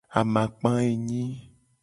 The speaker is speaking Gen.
Amakpa enyi.